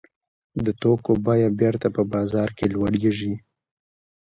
د توکو بیه بېرته په بازار کې لوړېږي